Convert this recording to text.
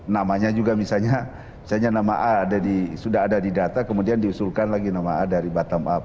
namanya juga misalnya nama a sudah ada di data kemudian diusulkan lagi nama a dari bottom up